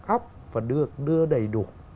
up và đưa đầy đủ